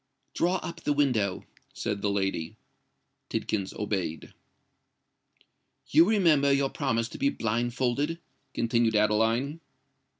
"Draw up the window," said the lady. Tidkins obeyed. "You remember your promise to be blindfolded?" continued Adeline.